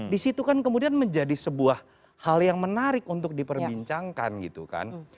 di situ kan kemudian menjadi sebuah hal yang menarik untuk diperbincangkan gitu kan